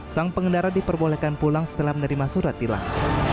sang pengendara diperbolehkan pulang setelah menerima surat tilang